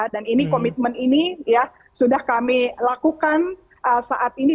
dan ini komitmen ini ya sudah kami lakukan saat ini